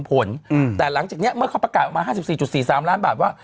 ผลอืมแต่หลังจากเนี้ยเมื่อเขาประกาศออกมาห้าสิบสี่จุดสี่สามล้านบาทว่า